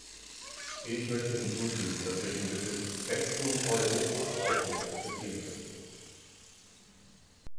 Ich möchte hinzufügen, dass wir den Begriff "Festung Europa" auch nicht akzeptieren können.